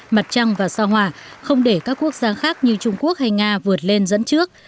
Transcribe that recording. mặt trăng và sao hỏa không để các quốc gia khác như trung quốc hay nga vượt lên dẫn trước